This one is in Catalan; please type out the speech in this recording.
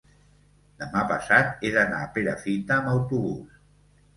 demà passat he d'anar a Perafita amb autobús.